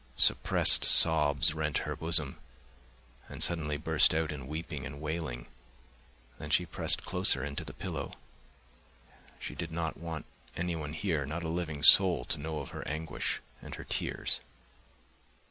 Suppressed sobs rent her bosom and suddenly burst out in weeping and wailing, then she pressed closer into the pillow: she did not want anyone here, not a living soul, to know of her anguish and her tears.